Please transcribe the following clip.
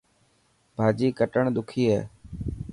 ڀاڄي ڪٽڻ ڏکي هي.